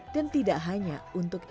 dan tidak hanya untuk